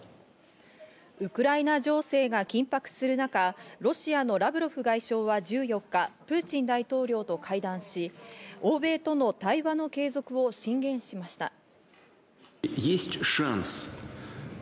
ウクライナ情勢が緊迫する中、ロシアのラブロフ外相は１４日、プーチン大統領と会談し、欧米との対話の継続を進言しました。